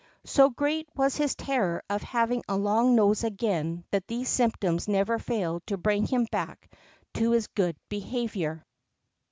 So great was his terror of having a long nose again that these symptoms never failed to bring him back to his good behavior.